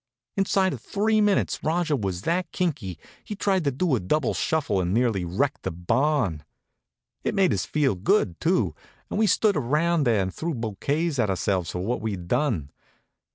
Inside of three minutes Rajah was that kinky he tried to do a double shuffle and nearly wrecked the barn. It made us feel good too, and we stood around there and threw bouquets at ourselves for what we'd done.